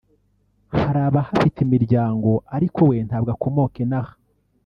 hari abahafite imiryango ariko we ntabwo akomoka inaha